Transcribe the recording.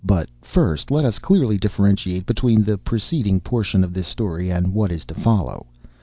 But first let us clearly differentiate between the preceding portion of this story and what is to follow.